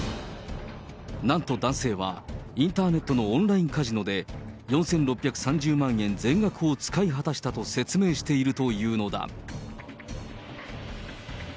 なんと男性は、インターネットのオンラインカジノで、４６３０万円全額を使い果たしたと説明しているというのだ。